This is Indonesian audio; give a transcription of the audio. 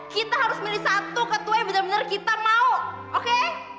kita harus milih satu ketua yang benar benar kita mau oke